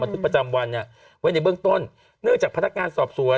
ทึกประจำวันเนี่ยไว้ในเบื้องต้นเนื่องจากพนักงานสอบสวน